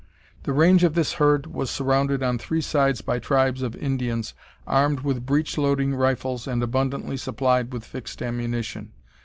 The range of this herd was surrounded on three sides by tribes of Indians, armed with breech loading rifles and abundantly supplied with fixed ammunition.